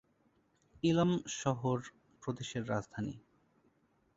ইলম শহর প্রদেশের রাজধানী।